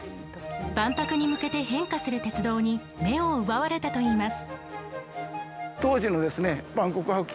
万博に向けて変化する鉄道に目を奪われたと言います。